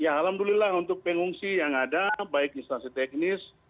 ya alhamdulillah untuk pengungsi yang ada baik instansi teknis